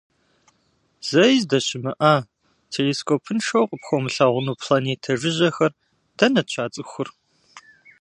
Зэи здэщымыӏа, телескопыншэу къыпхуэмылъэгъуну планетэ жыжьэхэр дэнэт щацӏыхур?